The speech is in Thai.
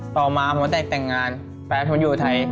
ต่อมาผมได้แต่งงานแฟนผมอยู่ไทย